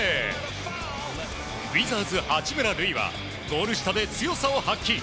ウィザーズ、八村塁はゴール下で強さを発揮。